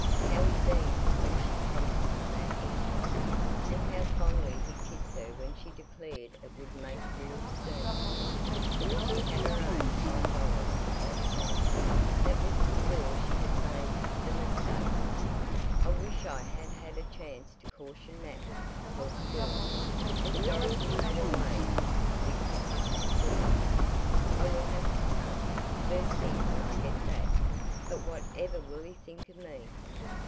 How he beamed when she promised him that engine! And how fondly he kissed her when she declared it would make real steam! But she had her own five dollars at that time. That was before she had made the mistake. "I wish I had had a chance to caution Nat," thought the girl, as Dorothy made her way into the big department store. "I will have to tell him, first thing when I get back. But what ever will he think of me?"